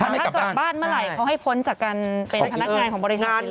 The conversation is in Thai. แต่ถ้ากลับบ้านเมื่อไหร่เขาให้พ้นจากการเป็นพนักงานของบริษัทเลย